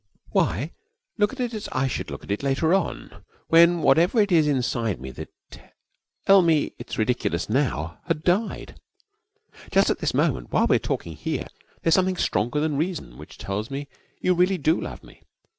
'Why? Look at it as I should look at it later on, when whatever it is inside me that tell me it's ridiculous now had died. Just at this moment, while we're talking here, there's something stronger than reason which tells me you really do love me.